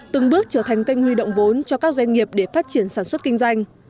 từng bước trở thành kênh huy động vốn cho các doanh nghiệp để phát triển sản xuất kinh doanh